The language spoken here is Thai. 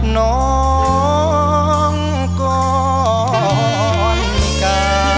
น้องก่อนนี่ค่ะ